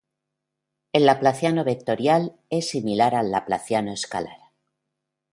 El Laplaciano vectorial es similar al Laplaciano escalar.